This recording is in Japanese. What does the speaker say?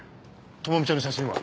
朋美ちゃんの写真は？